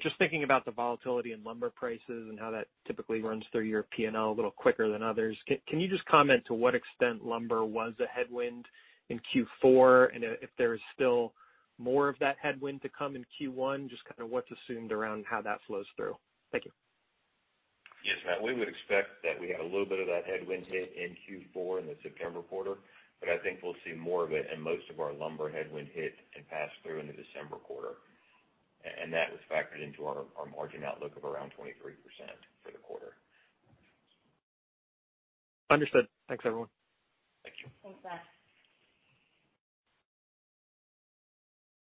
Just thinking about the volatility in lumber prices and how that typically runs through your P&L a little quicker than others, can you just comment to what extent lumber was a headwind in Q4, and if there is still more of that headwind to come in Q1? Just kind of what's assumed around how that flows through. Thank you. Yes, Matt, we would expect that we had a little bit of that headwind hit in Q4 in the September quarter. I think we'll see more of it and most of our lumber headwind hit and pass through in the December quarter. That was factored into our margin outlook of around 23% for the quarter. Understood. Thanks, everyone. Thank you. Thanks, Matt.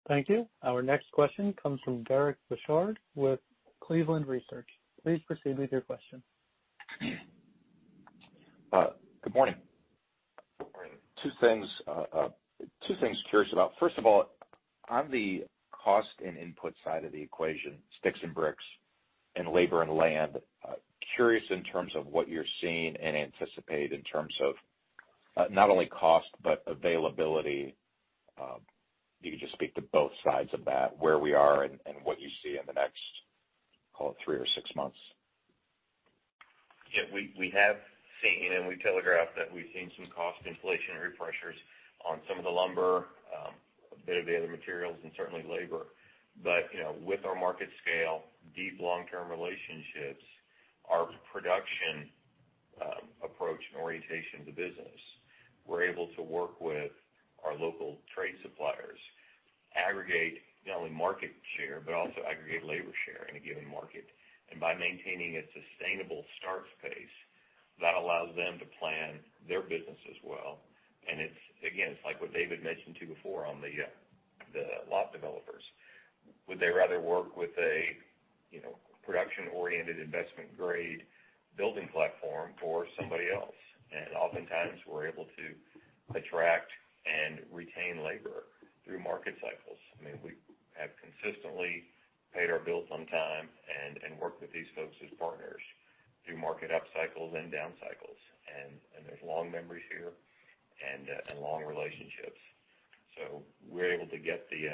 Thank you. Our next question comes from Eric Bosshard with Cleveland Research. Please proceed with your question. Good morning. Good morning. Two things curious about. First of all, on the cost and input side of the equation, sticks and bricks and labor and land, curious in terms of what you're seeing and anticipate in terms of not only cost but availability. If you could just speak to both sides of that, where we are and what you see in the next, call it three or six months. Yeah, we have seen, and we telegraphed that we've seen some cost inflationary pressures on some of the lumber, a bit of the other materials, and certainly labor. With our market scale, deep long-term relationships, our production approach, and orientation to business, we're able to work with our local trade suppliers, aggregate not only market share, but also aggregate labor share in a given market. By maintaining a sustainable start pace, that allows them to plan their business as well. It's, again, it's like what David mentioned, too, before on the lot developers. Would they rather work with a production-oriented investment grade building platform or somebody else? Oftentimes, we're able to attract and retain labor through market cycles. We have consistently paid our bills on time and worked with these folks as partners through market up cycles and down cycles. There's long memories here and long relationships. We're able to get the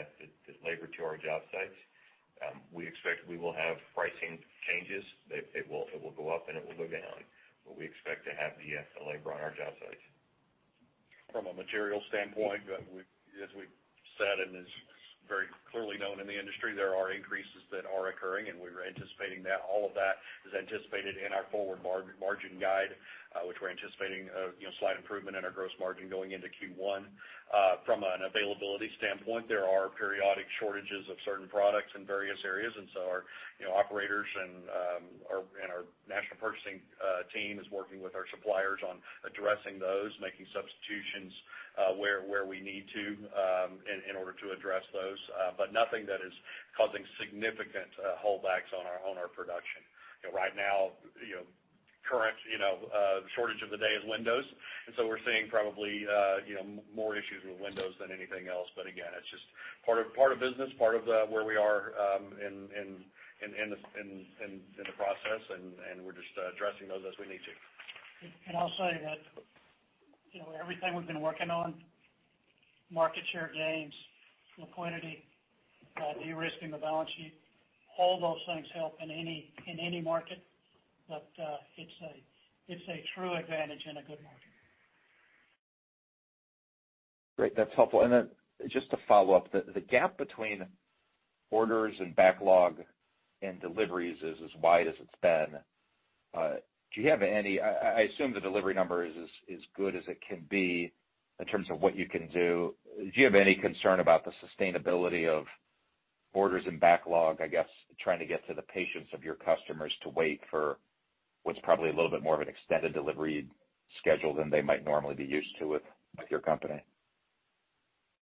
labor to our job sites. We expect we will have pricing changes. It will go up and it will go down, but we expect to have the labor on our job sites. From a material standpoint, as we've said, and is very clearly known in the industry, there are increases that are occurring, and we were anticipating that. All of that is anticipated in our forward margin guide, which we're anticipating a slight improvement in our gross margin going into Q1. From an availability standpoint, there are periodic shortages of certain products in various areas. Our operators and our national purchasing team is working with our suppliers on addressing those, making substitutions where we need to in order to address those. Nothing that is causing significant holdbacks on our production. Right now, the shortage of the day is windows. We're seeing probably more issues with windows than anything else. Again, it's just part of business, part of where we are in the process, and we're just addressing those as we need to. I'll say that everything we've been working on, market share gains, liquidity, de-risking the balance sheet, all those things help in any market. It's a true advantage in a good market. Great. That's helpful. Just to follow up, the gap between orders and backlog and deliveries is as wide as it's been. I assume the delivery number is as good as it can be in terms of what you can do. Do you have any concern about the sustainability of orders and backlog, I guess, trying to get to the patience of your customers to wait for what's probably a little bit more of an extended delivery schedule than they might normally be used to with your company?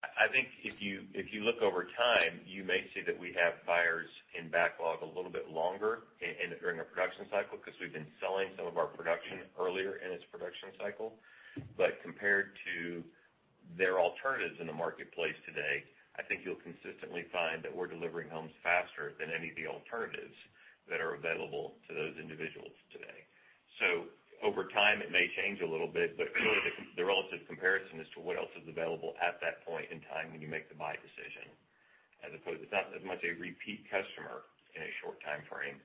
I think if you look over time, you may see that we have buyers in backlog a little bit longer during a production cycle because we've been selling some of our production earlier in its production cycle. Compared to their alternatives in the marketplace today, I think you'll consistently find that we're delivering homes faster than any of the alternatives that are available to those individuals today. Over time, it may change a little bit, but really, the relative comparison as to what else is available at that point in time when you make the buy decision, as opposed to not as much a repeat customer in a short timeframe.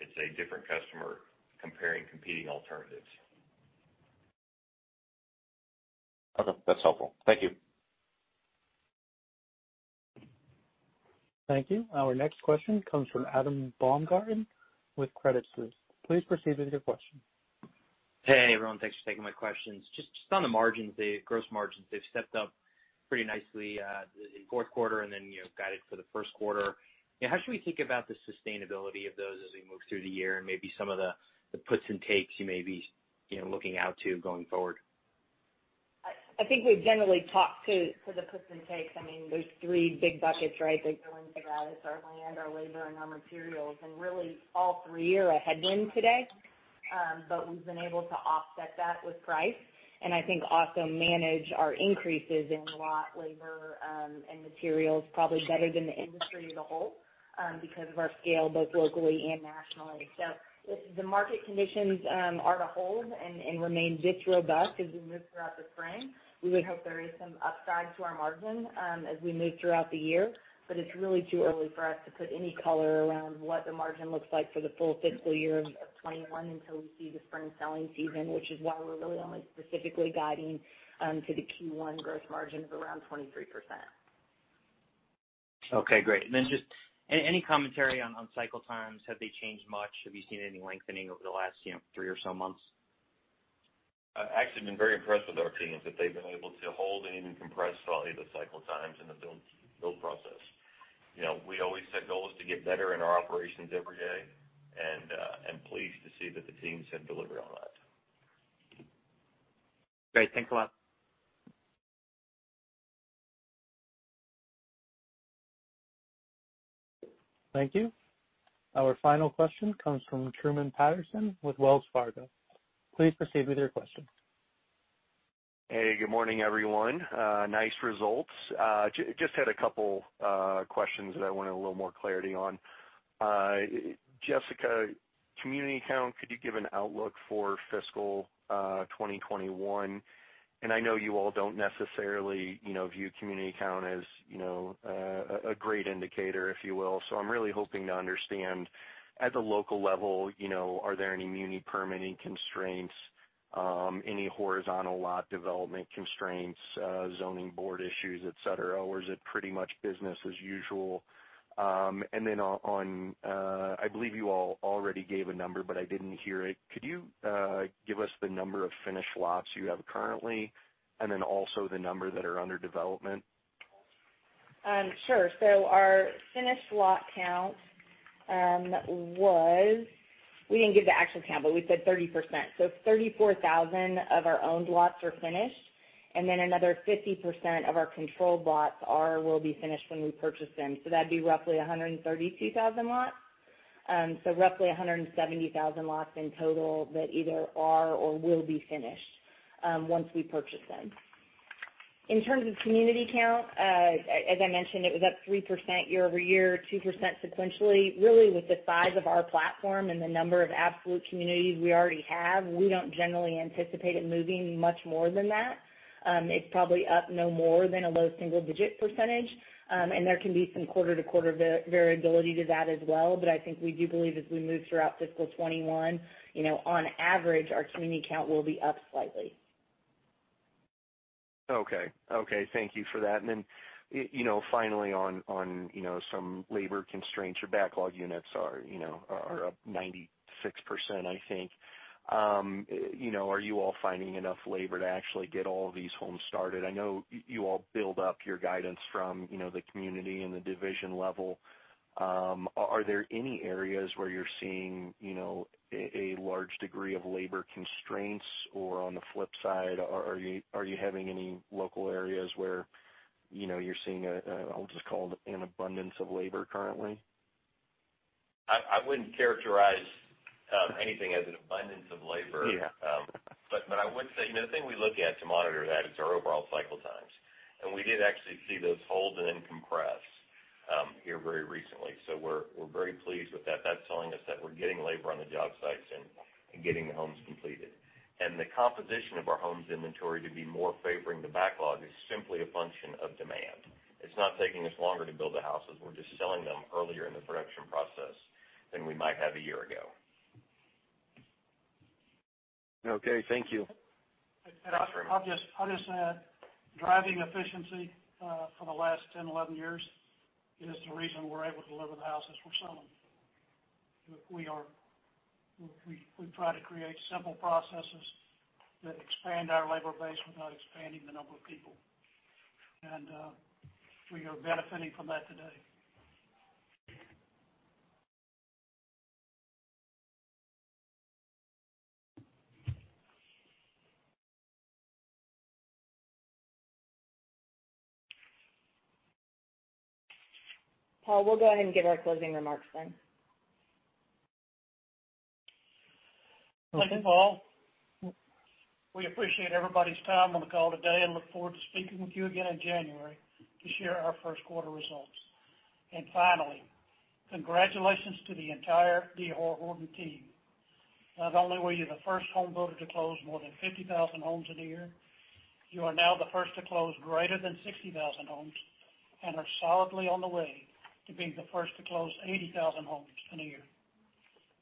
It's a different customer comparing competing alternatives. Okay, that's helpful. Thank you. Thank you. Our next question comes from Adam Baumgarten with Credit Suisse. Please proceed with your question. Hey, everyone, thanks for taking my questions. Just on the margins, the gross margins, they've stepped up pretty nicely, the fourth quarter, and then you've guided for the first quarter. How should we think about the sustainability of those as we move through the year and maybe some of the puts and takes you may be looking out to going forward? I think we've generally talked to the puts and takes. Those three big buckets that go into that is our land, our labor, and our materials. Really, all three are a headwind today. We've been able to offset that with price, and I think also manage our increases in lot, labor, and materials probably better than the industry as a whole because of our scale, both locally and nationally. If the market conditions are to hold and remain this robust as we move throughout the spring, we would hope there is some upside to our margin as we move throughout the year. It's really too early for us to put any color around what the margin looks like for the full fiscal year of 2021 until we see the spring selling season, which is why we're really only specifically guiding to the Q1 gross margin of around 23%. Okay, great. Just any commentary on cycle times. Have they changed much? Have you seen any lengthening over the last three or so months? I've actually been very impressed with our teams, that they've been able to hold and even compress slightly the cycle times in the build process. We always set goals to get better in our operations every day, and I'm pleased to see that the teams have delivered on that. Great. Thanks a lot. Thank you. Our final question comes from Truman Patterson with Wells Fargo. Please proceed with your question. Hey, good morning, everyone. Nice results. Just had a couple questions that I wanted a little more clarity on. Jessica, community count, could you give an outlook for fiscal 2021? I know you all don't necessarily view community count as a great indicator, if you will. I'm really hoping to understand at the local level, are there any muni permitting constraints, any horizontal lot development constraints, zoning board issues, et cetera, or is it pretty much business as usual? Then on, I believe you all already gave a number, but I didn't hear it. Could you give us the number of finished lots you have currently, and then also the number that are under development? Sure. Our finished lot count was, we didn't give the actual count, but we said 30%. 34,000 of our owned lots are finished, and then another 50% of our controlled lots will be finished when we purchase them. That'd be roughly 132,000 lots. Roughly 170,000 lots in total that either are or will be finished once we purchase them. In terms of community count, as I mentioned, it was up 3% year-over-year, 2% sequentially. Really, with the size of our platform and the number of absolute communities we already have, we don't generally anticipate it moving much more than that. It's probably up no more than a low single-digit percentage. There can be some quarter-to-quarter variability to that as well. I think we do believe as we move throughout fiscal 2021, on average, our community count will be up slightly. Okay. Thank you for that. Finally on some labor constraints. Your backlog units are up 96%, I think. Are you all finding enough labor to actually get all of these homes started? I know you all build up your guidance from the community and the division level. Are there any areas where you're seeing a large degree of labor constraints? On the flip side, are you having any local areas where you're seeing an abundance of labor currently? I wouldn't characterize anything as an abundance of labor. Yeah. I would say, the thing we look at to monitor that is our overall cycle times, and we did actually see those hold and then compress, here very recently. We're very pleased with that. That's telling us that we're getting labor on the job sites and getting the homes completed. The composition of our homes inventory to be more favoring the backlog is simply a function of demand. It's not taking us longer to build the houses. We're just selling them earlier in the production process than we might have a year ago. Okay, thank you. No problem. I'll just add, driving efficiency for the last 10, 11 years is the reason we're able to deliver the houses we're selling. We try to create simple processes that expand our labor base without expanding the number of people, and we are benefiting from that today. Paul, we'll go ahead and give our closing remarks then. Thank you, Paul. We appreciate everybody's time on the call today and look forward to speaking with you again in January to share our first quarter results. Finally, congratulations to the entire D.R. Horton team. Not only were you the first home builder to close more than 50,000 homes in a year, you are now the first to close greater than 60,000 homes and are solidly on the way to being the first to close 80,000 homes in a year.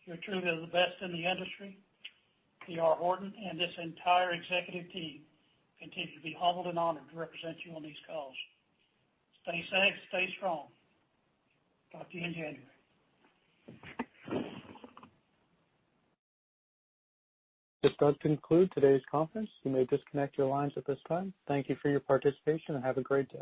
You're truly the best in the industry. D.R. Horton and this entire executive team continue to be humbled and honored to represent you on these calls. Stay safe, stay strong. Talk to you in January. This does conclude today's conference. You may disconnect your lines at this time. Thank you for your participation, and have a great day.